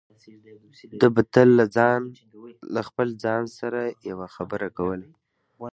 ده به تل له خپل ځان سره يوه خبره کوله.